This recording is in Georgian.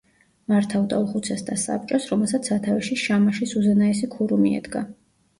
მართავდა უხუცესთა საბჭო, რომელსაც სათავეში შამაშის უზენაესი ქურუმი ედგა.